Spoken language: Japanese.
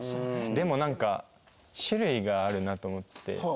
でもなんか種類があるなと思って。